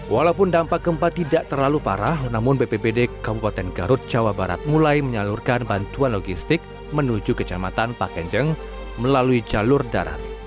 walaupun dampak gempa tidak terlalu parah namun bpbd kabupaten garut jawa barat mulai menyalurkan bantuan logistik menuju kecamatan pak kenjeng melalui jalur darat